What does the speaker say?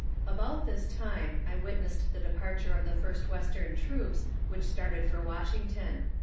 About this time I witnessed the departure of the first western troops which started for Washington.